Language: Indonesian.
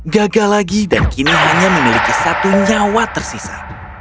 gagal lagi dan kini hanya memiliki satu nyawa tersisa